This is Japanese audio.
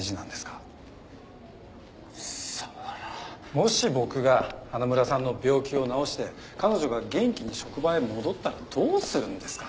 もし僕が花村さんの病気を治して彼女が元気に職場へ戻ったらどうするんですか。